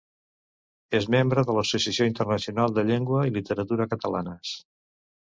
És membre de l'Associació Internacional de Llengua i Literatura Catalanes.